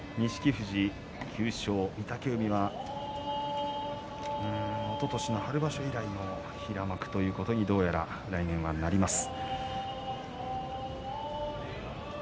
富士は９勝御嶽海は、おととしの春場所以来の平幕ということにどうやら来年はなります。